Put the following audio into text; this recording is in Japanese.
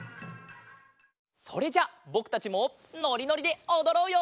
それじゃあぼくたちも「のりのり」でおどろうよ！